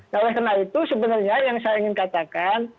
nah oleh karena itu sebenarnya yang saya ingin katakan